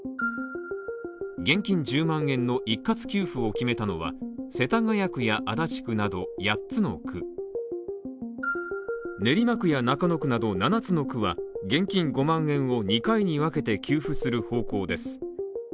現金１０万円の一括給付を決めたのは、世田谷区や足立区など８つの区練馬区や中野区など７つの区は現金５万円を２回に分けて給付する方向です。